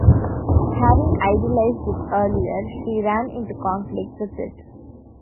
Having idealized it earlier, she ran into conflict with it.